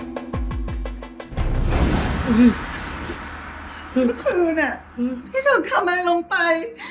เมื่อคืนพี่ถึงทำอะไรลงไป